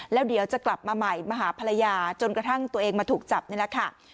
แล้วเดี๋ยวจะกลับมาใหม่มาหาภรรยาจนกระทั่งตัวเองมาถูกจับนี่แหละค่ะ